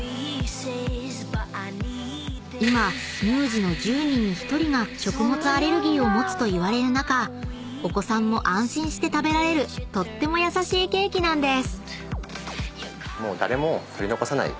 ［今乳児の１０人に１人が食物アレルギーを持つといわれる中お子さんも安心して食べられるとっても優しいケーキなんです］